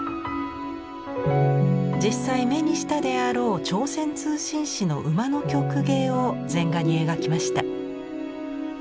実際目にしたであろう朝鮮通信使の馬の曲芸を禅画に描きました。